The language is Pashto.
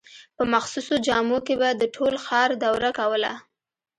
په مخصوصو جامو کې به د ټول ښار دوره کوله.